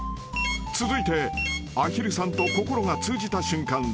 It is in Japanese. ［続いてアヒルさんと心が通じた瞬間。